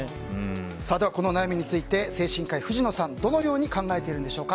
では、この悩みについて精神科医の藤野さんはどのように考えているんでしょうか。